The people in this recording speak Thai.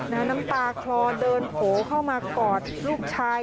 น้ำตาคลอเดินโผล่เข้ามากอดลูกชาย